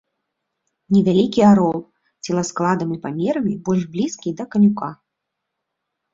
Невялікі арол, целаскладам і памерамі больш блізкі да канюка.